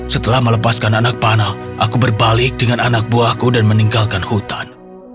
setelah melepaskan anak panah aku berbalik dengan anak buahku dan meninggalkan hutan